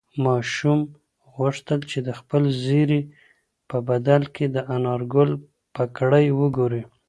ماشوم غوښتل چې د خپل زېري په بدل کې د انارګل پګړۍ وګوري.